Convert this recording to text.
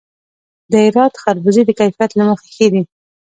د هرات خربوزې د کیفیت له مخې ښې دي.